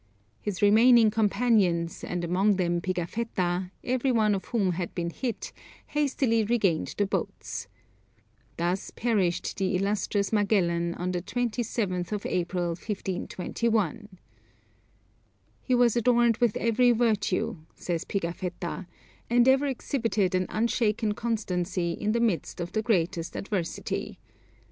His remaining companions, and among them Pigafetta, every one of whom had been hit, hastily regained the boats. Thus perished the illustrious Magellan on the 27th of April, 1521. "He was adorned with every virtue," says Pigafetta, "and ever exhibited an unshaken constancy in the midst of the greatest adversity.